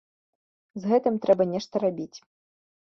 З гэтым трэба нешта рабіць.